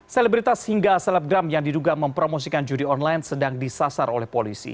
selebritas hingga selebgram yang diduga mempromosikan judi online sedang disasar oleh polisi